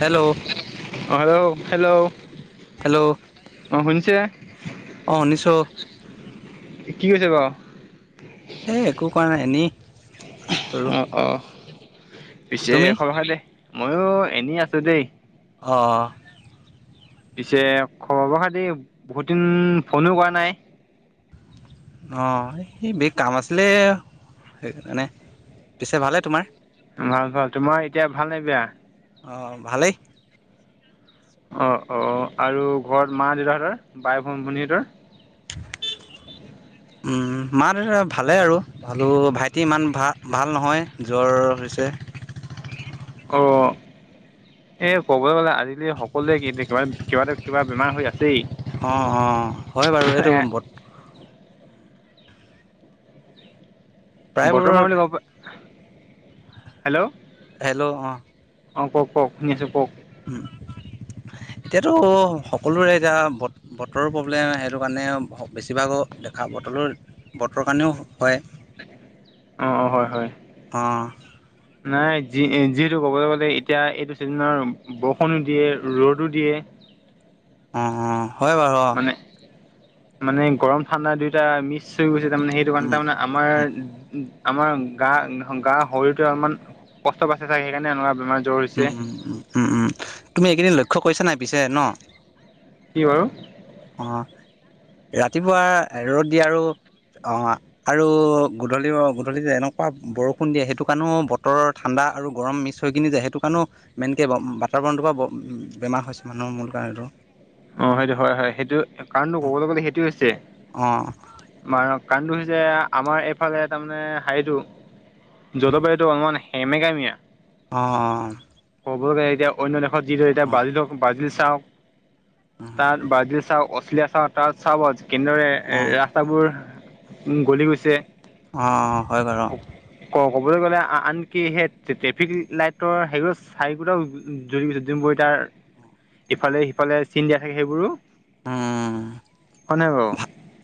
Hello অ, hello, hello, hello অ, শুনিছে, অ শুনিছ কি কৈছে বাৰু? এই একো কৰা নাই, এনেই। আছো আৰু অ, অ, পিছে তুমি খবৰ, ভাল নে? ময়ো এনেই আছো, দেই। অ, পিছে খবৰ প-খাতি বহুত দিন ফোনো কৰা নাই। অ, এই বিষ কাম আছিলে, সেইকাৰানে পিছে ভালে তোমাৰ? আমাৰ ভাল, তোমাৰ এতিয়া ভাল নে বিয়া? অ, ভালেই। অ, অ, আৰু ঘৰত মা-দেউতাহঁতৰ, বাই-ভন, ভনীহঁতৰ? [inaudible] ওম মাঁ দেউতা ভালে আৰু ভালোঁ, ভাইটি ইমান ভা ভাল নহয় জ্বৰ হৈছে। অ', এ ক'বলে গ'লে আজিকালি সকলোৱে কিবা কিবা এ কিবা বেমাৰ হৈ আ অ', অ', হয় বাৰু এইটো এ বত বতৰ প্ৰায়বোৰৰ বেমাৰ বুলি ক'ব পাৰি, হেল্লো হেল্লো' অ', শুনি আছো কওক ওম এতিয়াতো সকলোৰে এতিয়া বত বতৰৰ প্ৰব্লেম সেইটো কাৰণে বেছিভাগ দেখা বতৰৰ বতৰৰ কাৰণেও হয়। অ', অ', হয় হয়। অ',। নাই যি যিহেতু ক'বলে গ'লে এতিয়া এইটো চিজনত বৰষুণো দিয়ে ৰ'দো দিয়ে অ', অ', হয় বাৰু মানে মানে গৰম ঠাণ্ডা দুইটা মিক্স হৈ গৈছে তাৰমানে সেইটো কাৰণে অ তাৰমানে আমাৰ আমাৰ গা গা শৰীৰটোৱে অলমান কষ্ট পাইছে চাগে সেইকাৰণে এনেকুৱা বেমাৰ হুম হুম উম উম তুমি এইকেদিন লক্ষ্য কৰিছা নাই পিছে ন কি বাৰু? অ', ৰাতিপুৱা ৰ'দ দিয়ে আৰু অ', আৰু গধূলি গধূলি এনেকুৱা বৰষুণ দিয়ে সেইটো কাৰণেও বতৰত ঠাণ্ডা আৰু গৰম মিক্স হৈ কিনি যে সেইটো কাৰণো মেইনকে বাতাবৰণটোৰ পৰা বেমাৰ হৈছে মানুহৰ মূল কাৰণে টো অ', সেইটো হয় হয় সেইটো কাৰণটো অ', ক'বলে গ'লে সেইটোয়ে হৈছে অ', মানুহ, কাৰণটো হৈছে আমাৰ এইফালে তাৰমানে হেৰিটো জলবায়ুটো অলমান সেমেকামিয়া অ', অ ক'ব গ'লে এতিয়া অন্য দেশত যিদৰে এতিয়া অ', ব্ৰাজিল হওক ব্ৰাজিল চাওক অ', তাত ব্ৰাজিল চাওঁক অষ্ট্ৰেলিয়া চাওঁক তাত চাবাও কেনেদৰে অ', ৰা ৰাস্তাবোৰ গলি গৈছে অ', হয় বাৰু। ক ক'বলে গ'লে আনকি সেই ট্ৰেফিক লাইটৰ হেৰিও চাৰিকোটাও যোনবোৰ এতিয়া ইফালে সিফালে চিন দিয়া থাকে সেইবোৰো উম, হয় নাই বাও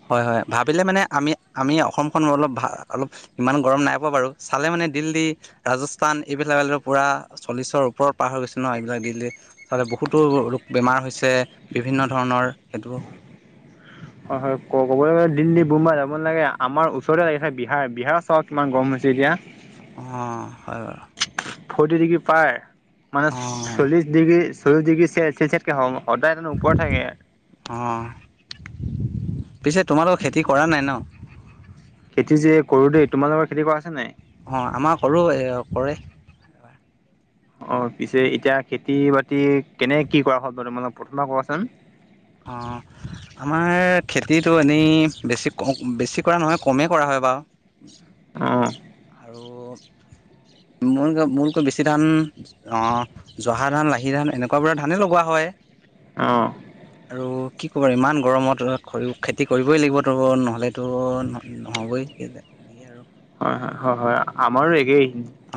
হয় হয় ভাবিলে মানে আমি আমি অসমখন অলপ ভা অলপ ইমান গৰম নাই পোৱা বাৰু চালে মানে দিল্লী ৰাজস্থান এইবিলাক পুৰা চল্লিছৰ ওপৰত পাৰ হৈ গৈছিল ন এইবিলাক দিল্লীত চাগে বহুতো ৰোগ বেমাৰ হৈছে বিভিন্ন ধৰণৰ সেইটো হয় হয় ক ক'বলে গলে দিল্লী বোম্বাই যাব নালাগে আমাৰ ওচৰতে লাগিছে বিহাৰ বিহাৰত চাওক কিমান গৰম হৈছে এতিয়া। অ', হয় বাৰু ফৰ্টি ডিগ্ৰী পাৰ মানে অঁ চল্লিশ ডিগ্ৰী চল্লিশ ডিগ্ৰী চেলচিয়াছ কে সদায় তাৰ মানে ওপৰত থাকে। অঁ'। পিছে তোমালোকৰ খেতি কৰা নাই ন? খেতি কৰো দেই তোমালোকৰ খেতি কৰা আছে নাই? অ আমাৰ কৰো, এ কৰে। অ পিছে এতিয়া খেতি-বাতি কেনে কি কৰা হয় বাৰু তোমালে প্ৰথমপা কোৱাচোন। অঁ আমাৰ খেতিটো এনেই বেছি ক বেছি কৰা নহয় কমেই কৰা হয় বাও অ। অঁ, মোৰ গাঁৱত মোতকৈ বেছি ধান অ জহা ধান, লাহি ধান এনেকুৱা বোৰ ধানে লগোৱা হয়। অ আৰু কি ক'ব আৰু ইমান গৰমত খ খেতি কৰিবই লাগিবতো নহ'লেতো নহবই এইকেইদিন এনে আৰু হয় হয় হয় হয় আমাৰো একেই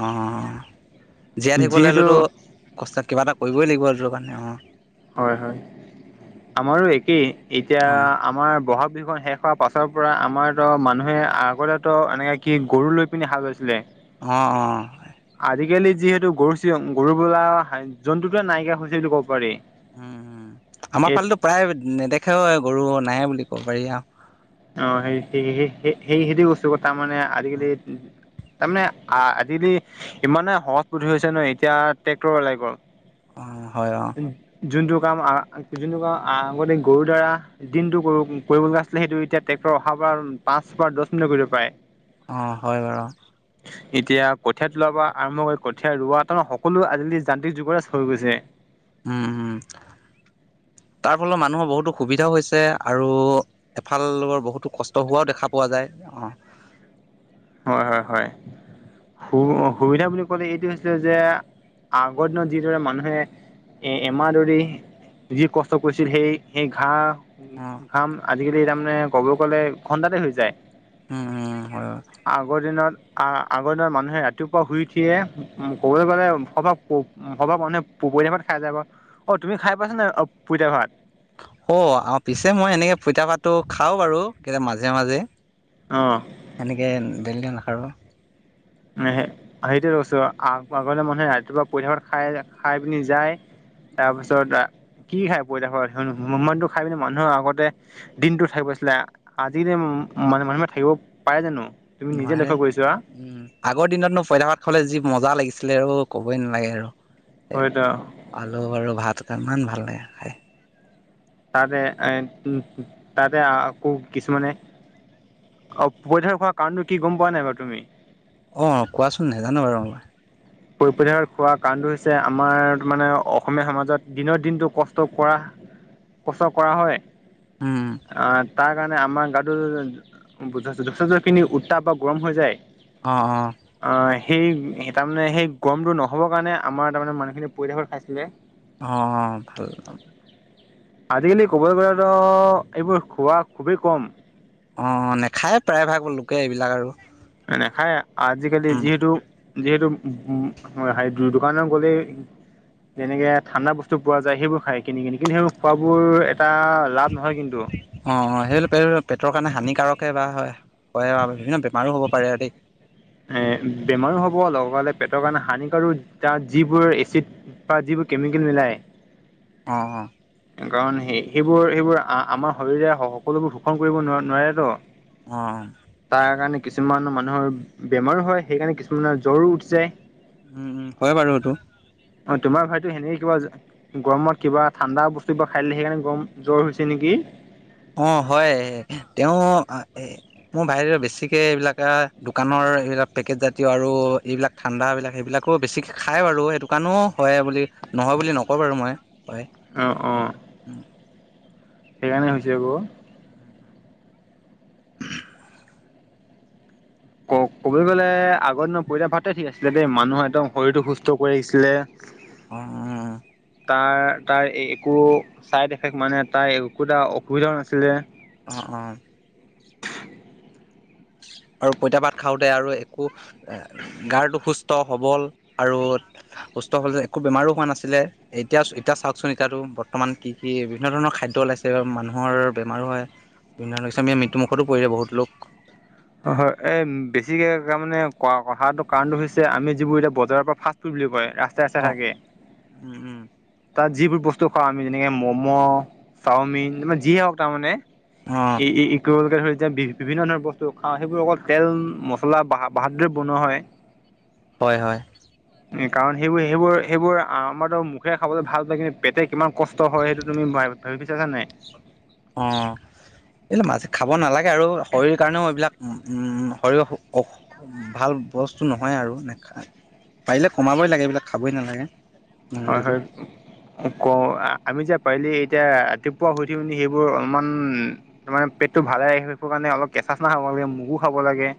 অঁ'জীয়াই থাকিবলৈ যিহেতু হ'লেতো কষ্ট কিবা এটা কৰিবই লাগিব সেইটো কাৰণে অঁ। হয় হয় আমাৰো একেই, এতিয়া অ' আমাৰ ব'হাগ বিহু শেষ হোৱা পাছৰ পৰা আমাৰ তো মানুহে আগতেতো এনেকে কি গৰু লৈ পিনি হাল লৈছিলে অ অ আজিকালি যিহেতু গৰু চি গৰু বোলা জন্তুটোৱে নাইকিয়া হৈছে বুলি ক'ব পাৰি। উম উম আমাৰ এই ফালেতো প্ৰায় নেদেখেও গৰু নাই বুলি ক'ব পাৰি আও অ সেই সেই সেই সেইটো বস্তু ক তাৰমানে আজিকালি তাৰমানে আ আজিকালি ইমানে সহজ পদ্ধতি হৈছে নহয় এতিয়া ট্ৰেক্টৰ ওলাই গ'ল। অ হয় অ যোনটো কাম আ যোনটো কাম আগতে গৰু দ্বাৰা দিনটো ক কৰিবলগা আছিলে সেইটো এতিয়া ট্ৰেক্টৰ অহাৰ পৰা পাঁচ পৰা দহ মিনিটত কৰি দিব পাৰে। অ হয় বাৰু। [inaudible] এতিয়া কঠিয়া টোলাপৰা আৰম্ভ কৰি কঠীয়া ৰোৱা ন সকলো আজিকালি যান্তিক যুগৰে হৈ গৈছে। [inaudible] তাৰফলত মানুহৰ বহুতো সুবিধাও হৈছে আৰু এফাল লগৰ বহুতো কষ্ট হোৱাও দেখা পোৱা যায়। অ হয় হয় হয়। সু সুবিধা বুলি ক'লে এইটো হৈছে যে আগৰ দিনত যিদৰে মানুহে এ এমাহ ধৰি যি কষ্ট কৰিছিল সেই সেই ঘাঁহ অ কাম আজিকালি তাৰমানে কব ক'লে দুঘণ্টাতে হৈ যায়। উম উম হয় হয়। আগৰ দিনত আহ আগৰ দিনত মানুহে ৰাতিপুৱা শুই উঠিয়ে উ ক'বলৈ গলে সৰভাগ মানুহে প পুইতা ভাত খাই যায় ক, অ তুমি খাই পাইছা নাই পুইতা ভাত? অ' আৰু পিছে মই এনেকে পইতা ভাতটো খাওঁ বাৰু কেতিয়াবা মাজে মাজে। অ সেনেকে ডেইলী নাখাওঁ সে সেইটো কৈছো আগতে মানুহে ৰাতিপুৱা পইতা ভাত খাই খাই পিনি যায়। তাৰপিছত কি খাই পইতাভাত মইটো খাই পিনে মানুহৰ আগতে দিনটোথাকিব দিছিলে আজিনো ম মনে মনে থাকিব পাৰে জানো। তুমি নিজে নোৱাৰে লক্ষ্য কৰিছোৱা উম আগৰ দিনতনো পইতা ভাত খাবলে যি মজা লাগিছিলে অ ক'বই নালাগে আৰু হয়টো আৱ আলু আৰু ভাত খাই ইমান ভাল লাগে খাই। তাতে এ উ উম তাতে আকৌ কিছুমানে অ পইতা ভাত খোৱা কাৰণটো কি গম পোৱা নাই বাৰু তুমি? অহ কোৱাচোন? নাজানো বাৰু মই। পই পইতা ভাত খোৱা কাৰণটো হৈছে আমাৰ মানে অসমীয়া সমাজত দিনৰ দিনটো কষ্ট কৰা কষ্ট কৰা হয় উম আহ তাৰ কাৰণে আমাৰ গাটো য য যথেষ্টখিনি উত্তাপ বা গৰম হৈ যায়। অহ অহ অ সেই সেই তাৰমানে সেই গৰমটো নহ'বৰ কাৰণে আমাৰ তাৰ মানে মানুহখিনি পইতা ভাত খাইছিলে। অহ অহ ভাল ভাল। আজিকালি ক'বলৈ গ'লেতো এইবোৰ খোৱা খুবেই কম। অহ অহ নেখায়ে প্ৰায় ভাগ লোকে এইবিলাক আৰু। নেখায় আজিকালি উম যিহেঁতু যিহেঁতু উ উ সাই দো দোকানত গ'লেই। যেনেকে ঠাণ্ডা বস্তু পোৱা যায় সেইবোৰ খাই কিনি কিনি কিন্তু সেইবোৰ খোৱাবোৰ এটা লাভ নহয় কিন্তু। অ অ সেই পেটৰ কাৰণে হানিকাৰকে বা হয়, হয় বিভিন্ন বেমাৰো হ'ব পাৰে আৰু দেই। এহ বেমাৰো হ'ব লগতে পেটৰ কাৰণে হানিকাৰো তাত যিবোৰ এচিড বা যিবোৰ কেমিকেল মিলাই অ অ কাৰণ সেই সেইবোৰ সেইবোৰ আমাৰ শৰীৰে সকলোবোৰ শোষণ কৰিব ন নোৱাৰে তো। অ তাৰ কাৰণে কিছুমান মানুহৰ বেমাৰো হয়। সেইকাৰণে কিছুমানৰ জ্বৰো উঠি যায়। উম উম হয় বাৰু সেইটো। অ তোমাৰ ভাইটিৰ সেনেকে কিবা গৰমত কিবা ঠাণ্ডা বস্তু কিবা খাই দিলে। সেইকাৰণে গৰম জ্বৰ হৈছে নেকি? অ হয় তেওঁ এহ মোৰ ভাইৰে বেছিকে এইবিলাক আ দোকানৰ এইবিলাক পেকেট জাতীয় আৰু এইবিলাক ঠাণ্ডাবিলাক সেইবিলাকো বেছি খাই বাৰু, সেইটো কাৰণেও হয় বুলি নহয় বুলি নকওঁ বাৰু মই হয়। অহ অহ সেইকাৰণে হৈছে আক। [inaudible] ক কবলৈ গ'লে আগৰ দিনৰ পইতা ভাতে ঠিক আছিলে দেই মানুহৰ একদম শৰীৰটো সুস্থ কৰি ৰাখিছিলে। উম উম। তাৰ তাৰ একো চাইড এফেক্ট মানে তাৰ একোটা অসুবিধাও নাছিলে। অহ অহ আৰু পইতা ভাত খাওঁতে আৰু একো এ গাটো সুস্থ সবল আৰু সুস্থ হ'লে একো বেমাৰো হোৱা নাছিলে। এতিয়া এতিয়া চাওঁকচোন এতিয়াতো বৰ্তমান কি কি বিভিন্ন ধৰণৰ খাদ্য ওলাইছে বাৰু মানুহৰ বেমাৰো হয়। [unintelligible] মৃত্যু মুখতো পৰিলে বহুত লোক। অ হয় এই বেছিকে তাৰ মানে ক কথাটো কাৰণটো হৈছে আমি যিবোৰ এতিয়া বজাৰৰ পৰা ফাষ্ট ফুড বুলি কয়। ৰাস্তাই অঁ থাকে। তাত যিবোৰ বস্তু খাওঁ আমি যেনেকে ম'ম, ' চাওমিন এইবিলাক যিয়ে নহওঁক তাৰমানে। অঁ এই এই এগৰোলকে এতিয়া বি বিভিন্ন ধৰণৰ স্তু খাওঁ সেইবোৰ অকল তেল মছলা ভাল দৰে বনোৱা হয়। হয় হয় কাৰণ সেইবোৰ- সেইবোৰ- সেইবোৰ আমাৰতো মুখেৰে খাবলৈ ভাল পায়। কিন্তু পেটে কিমান কষ্ট হয় সেইটো তুমি ভ ভাবিছা নে নাই? অহ। এইবিলাক মাজে খাব নালাগে। আৰু শৰীৰ কাৰণেও এইবিলাক উ, উম, শৰীৰৰ অ ভাল বস্তু নহয় আৰু। নেখা, পাৰিলে কমাবই লাগে এইবিলাক খাবই নালাগে। মোৰ হয়- মতেতো হয়। কওঁ আমি যে পাৰিলে এতিয়া ৰাতিপুৱা উঠি মেলি সেইবোৰ অলপমান তাৰমানে পেটটো ভালে ৰাখিবৰ কাৰণে অলপ কেঁচা চানা খাব লাগে, মগু খাব লাগে।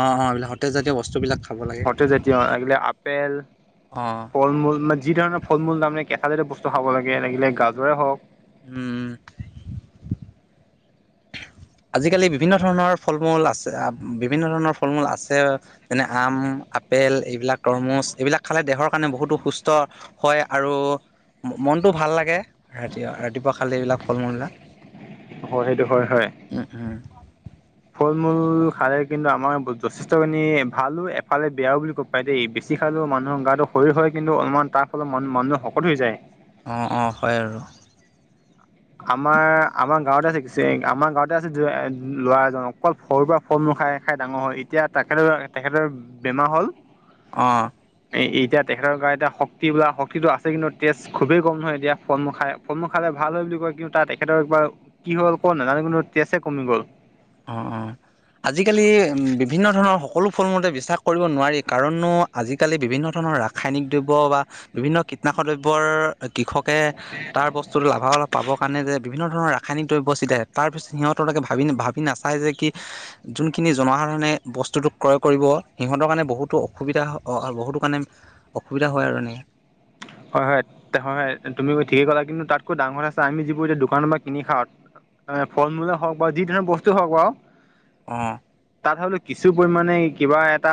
অ', অ এইবিলাক সতেজ জাতীয় বস্তুবিলাক খাব লাগে সতেজাতীয় অ, লাগিলে আপেল, ফল মূল, মানে যি ধৰণৰ ফল মূল তাৰমানে কেঁচা জাতীয় বস্তু খাব লাগে, লাগিলে গাজৰে হওক উম। আজিকালি বিভিন্ন ধৰণৰ ফল- মূল আছে, বিভিন্ন ধৰণৰ ফল মূল আছে। যেনে আম, আপেল এইবিলাক তৰমুজ, এইবিলাক, খালে দেহৰ কাৰণে বহুতো সুস্থ হয়। আৰু মনটো ভাল লাগে ৰাতি- ৰাতিপুৱা খালে এইবিলাক ফল মূলবিলাক। হয়, সেইটো হয়- হয়। উম- উম। ফল- মূল খালে কিন্তু আমাৰ যথেষ্ট খিনি ভালো, এফালে বেয়াও বুলি ক'ব পাৰি দেই। বেছি খালেও মানুহৰ গাটো শৰীৰ হয়। কিন্তু অলপমান তাৰ ফলত মানুহ শকত হৈ যায়। অ'- অ', হয় আৰু। আমাৰ- আমাৰ গাঁৱতে আছে, আমাৰ গাঁৱতে আছে, ল'ৰা এজন অকল সৰুৰ পৰা ফল মূল খাই- খাই ডাঙৰ হ'ল। এতিয়া তেখেতৰ- তেখেতৰ বেমাৰ হ'ল। অ'। এই এতিয়া তেখেতৰ কাৰণে, এতিয়া শক্তি বোলা শক্তিটো আছে। কিন্তু তেজ খুবেই কম নহয় এতিয়া ফল মূল খাই। ফল- মূল খালে ভাল হয় বুলি কয়, কিন্তু তাত তেখেতৰ একবাৰে কি হ'ল কি নাজানো। কিন্তু তেজে কমি গ'ল। অ', অ', আজিকালি বিভিন্ন ধৰণৰ সকলো ফল- মূলতে বিশ্বাস কৰিব নোৱাৰি। কাৰণনো আজিকালি বিভিন্ন ধৰণৰ ৰাসায়নিক দ্ৰব্য বা বিভিন্ন কীটনাশক দ্ৰব্যৰ কৃষক তাৰ বস্তু লাভা- লাভ পাবৰ কাৰণে যে বিভিন্ন ধৰণৰ ৰাসায়নিক দ্ৰব্য ছটিয়াই তাৰপিছত সিহঁতলোকে ভাবি নাচায় যে কি যোনখিনি জনসাধাৰণে বস্তুটো ক্ৰয় কৰিব। সিহঁতৰ কাৰণে বহুতো অসুবিধা বহুতো কাৰণে অসুবিধা হয় কাৰণে হয়- হয়- হয়- হয়, তুমি ঠিকে কলা। কিন্তু তাতকৈ ডাঙৰ আছে, আমি যিবোৰ এতিয়া দোকানৰ পৰা কিনি খাও ফল- মূল হওক বা যি ধৰণৰ বস্তু হওক বা অ। তাত হলেও কিছু পৰিমাণে কিবা এটা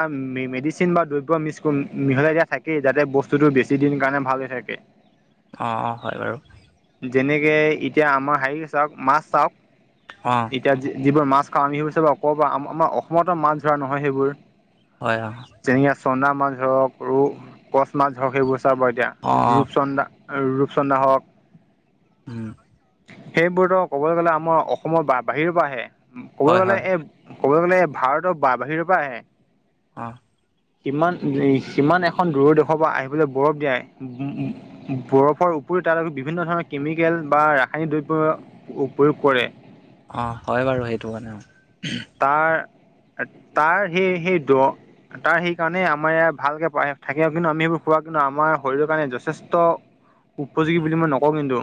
মেডিচিন বা দ্ৰব্য মিছ মিহলাই দিয়া থাকেই। যাতে বস্তুটো বেছি দিন কাৰণে ভাল হৈ থাকে। অ'- অ', হয় বাৰু। যেনেকে এতিয়া আমাৰ হেৰি চাওক, মাছ চাওক। অ। এতিয়া যিবোৰ মাছ খাওঁ আমি, সেইবোৰ চব কৰ পৰা, অসমতো মাছ ধৰা নহয় সেইবোৰ। হয়- হয়। যেনেকৈ চন্দা মাছ ধৰক, ৰৌ, কচ মাছ ধৰক, সেইবোৰ চাব এতিয়া, অঁ অঁ ৰূপচন্দা আৰু ৰূপচন্দা হওক উম। সেইবোৰটো ক'বলৈ গ'লে, আমাৰ অসমৰ বাহিৰ পৰা আহে। কবলৈ হয় গলে হয় ক'বলৈ গ'লে, ভাৰতৰ বাহিৰৰ পৰা আহে অ, সিমান, সিমান এখন দূৰৰ দেশৰ পৰা আহিবলৈ বৰফ দিয়াই উম, বৰফৰ উপৰিও তাত বিভিন্ন ধৰণৰ কেমিকেল বা ৰাসায়নিক দ্ৰব্য উপয়োগ কৰে। অ, হয় বাৰু সেইটো কথা। তাৰ, তাৰ সেই সেইটো তাৰ সেইকাৰণেই, আমাৰ ইয়াৰ ভালকে থাকে কিন্তু আমি সেইবোৰ খোৱা কিন্তু আমাৰ শৰীৰৰ কাৰণে যথেষ্ট উপযোগী বুলি মই নকওঁ কিন্তু।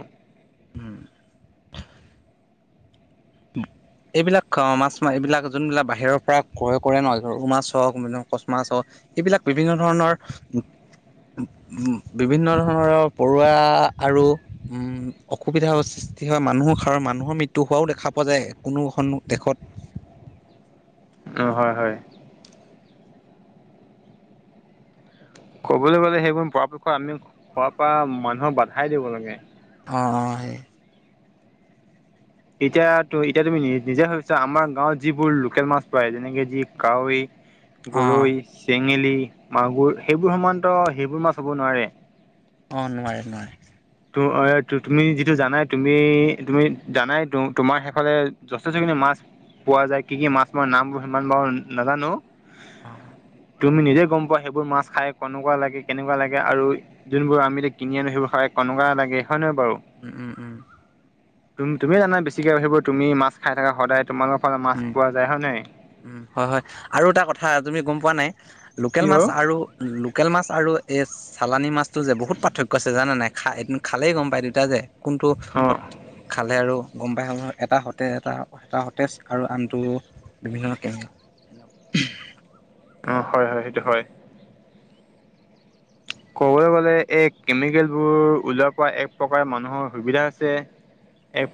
উম, [unintelligible] [inaudible] এইবিলাক মাছ না এইবিলাক যোনবিলাক বাহিৰৰ পৰা ক্ৰয় কৰে নহয়, ধৰ‌ ৰৌ মাছ হওক, কচ মাছ হওক এইবিলাক বিভিন্ন ধৰণৰ বিভিন্ন ধৰণৰ হওক পৰুৱা আৰু উম, অসুবিধাৰ সৃষ্টি হয়, মানুহৰ সাৰৰ মানুহৰ মৃত্যু হোৱাও দেখা পোৱা যায়। কোনো এখন দেশত অ, হয় হয়। ক'বলৈ গ'লে, সেইবোৰ পৰাপক্ষত আমি খোৱাৰ পৰা মানুহক বাধাই দিব লাগে। অ, অ, সেই এতিয়া, এতিয়া তুমি নিজে ভাবিছা, আমাৰ গাঁৱত যিবোৰ লোকেল মাছ পাই যেনেকে যি কাৱৈ অ গৰৈ, চেঙেলী, মাগুৰ সেইবোৰ সমানত সেইবোৰ মাছ হ'ব নোৱাৰে। অ, নোৱাৰে-নোৱাৰে। তু তুমি যিটো জানাই, তুমি, তুমি জানাই তু তোমাৰ শেষলৈ যথেষ্টখিনি মাছ পোৱা যায়। কি কি মাছ মই নামবোৰ সিমান বাৰু নাজানো। অ, তুমি নিজেই গম পোৱা, সেইবোৰ মাছ খাই কেনেকুৱা লাগে কেনেকুৱা লাগে আৰু যোনবোৰ আমি যে কিনি আনো সেইবোৰ খালে কেনেকুৱা লাগে হয় নে নহয় বাৰু উম, উম, উম, তুম তুমি জানাই বেছিকৈ, তুমি মাছ খাই থকা সদায় তোমোফালে মাছ উম পোৱা যায় হয় নে নাই? উম, হয় হয় আৰু এটা কথা তুমি গম পোৱা নাই লোকেল কি মাছ বাৰু? আৰু লোকেল মাছ আৰু এই চালানী মাছটো যে বহুত পাৰ্থক্য আছে, জানা নে নাই। খা খালেই গম পায় দুয়োটা যে কোনটো অ' খালে আৰু গম পাই। এটা সতে এটা সতেজ আৰু আনটো বিভিন্ন [unintelligible] উম, হয়, হয়। সেইটো হয়। ক'বলৈ গ'লে, এই কেমিকেলবোৰ উলিওৱাৰ পৰা এক প্ৰকাৰে মানুহৰ সুবিধা হৈছে। এক